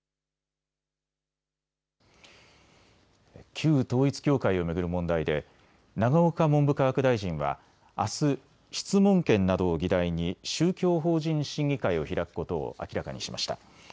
旧統一教会を巡る問題で永岡文部科学大臣はあす質問権などを議題に宗教法人審議会を開くことを明らかにしました。